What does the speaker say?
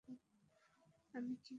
আমি কী বলেছিলাম?